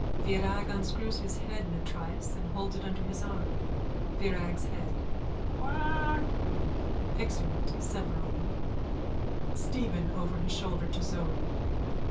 (Virag unscrews his head in a trice and holds it under his arm.) VIRAG'S HEAD: Quack! (Exeunt severally.) STEPHEN: _(Over his shoulder to Zoe.)